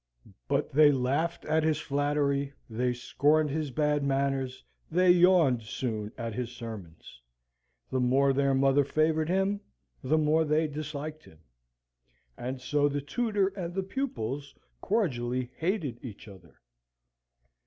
But they laughed at his flattery, they scorned his bad manners, they yawned soon at his sermons; the more their mother favoured him, the more they disliked him; and so the tutor and the pupils cordially hated each other.